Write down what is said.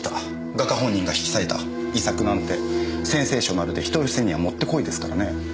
画家本人が引き裂いた遺作なんてセンセーショナルで人寄せにはもってこいですからね。